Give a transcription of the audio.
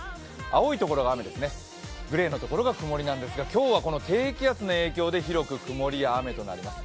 青いところが雨、グレーのところが曇りなんですが、今日はこの低気圧の影響で広く曇りや雨となります。